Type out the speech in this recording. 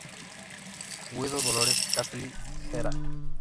Guido, Dolores, Castelli, Gral.